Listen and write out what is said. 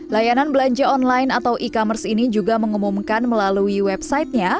layanan belanja online atau e commerce ini juga mengumumkan melalui websitenya